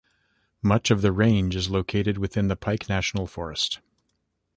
Much of the range is located within the Pike National Forest.